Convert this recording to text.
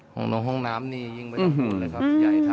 ห้องน้ำนี้ยิงไปออกมาเลยครับ